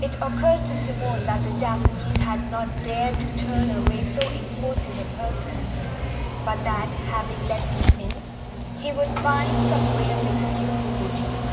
It occurred to Simone that the Japanese had not dared to turn away so important a person, but that, having let him in, he would find some way of excusing the Duke.